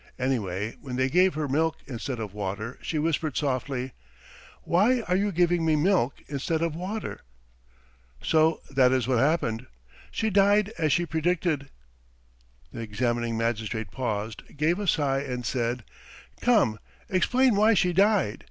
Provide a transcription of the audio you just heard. Anyway when they gave her milk instead of water she whispered softly: "'Why are you giving me milk instead of water?' "So that is what happened. She died as she predicted." The examining magistrate paused, gave a sigh and said: "Come, explain why she died.